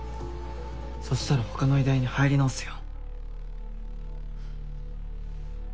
そしたら他の医大に入り直すよ。